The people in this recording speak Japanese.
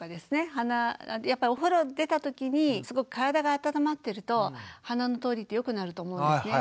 やっぱりお風呂を出たときにすごく体が温まってると鼻の通りって良くなると思うんですね。